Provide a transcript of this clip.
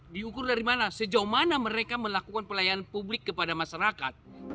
diukur dari mana sejauh mana mereka melakukan pelayanan publik kepada masyarakat